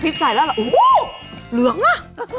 อภิกษ์ใส่แล้วเหรอโอ้โหเหลืองน่ะ